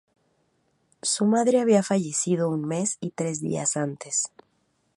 Su madre había fallecido un mes y tres días antes.